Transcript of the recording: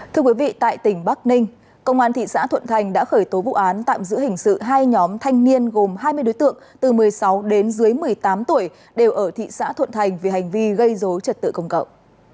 thưa quý vị tại tỉnh bắc ninh công an thị xã thuận thành đã khởi tố vụ án tạm giữ hình sự hai nhóm thanh niên gồm hai mươi đối tượng từ một mươi sáu đến dưới một mươi tám tuổi đều ở thị xã thuận thành vì hành vi gây dối trật tự công cậu